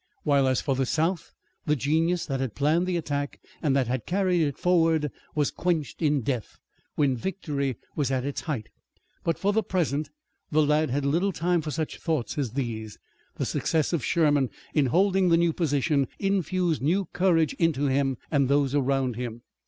While as for the South, the genius that had planned the attack and that had carried it forward was quenched in death, when victory was at its height. But for the present the lad had little time for such thoughts as these. The success of Sherman in holding the new position infused new courage into him and those around him.